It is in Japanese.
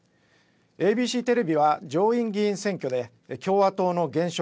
ＡＢＣテレビは上院議員選挙で共和党の現職